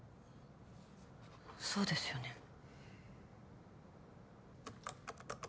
そうですよね。